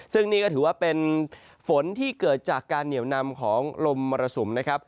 ซึ่งนี่ก็ถือว่าเป็นฝนที่เกิดจากการเหนียวนำของลมมรสุมนะครับ